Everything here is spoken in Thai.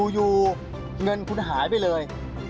อยู่เงินคุณหายไปเลย